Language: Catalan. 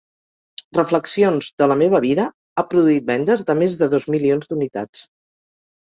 "Reflexions de la meva vida" ha produït vendes de més de dos milions d'unitats.